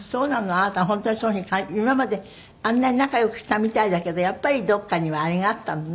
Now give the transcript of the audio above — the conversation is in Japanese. あなた本当にそういう風に今まであんなに仲良くしてたみたいだけどやっぱりどこかにはあれがあったのね。